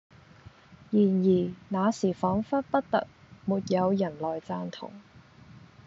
然而那時仿佛不特沒有人來贊同，